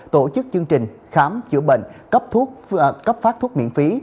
tổ chức chương trình khám chữa bệnh cấp phát thuốc miễn phí